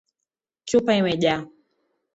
Chupa imejaa